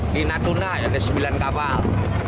di natuna ada sembilan kapal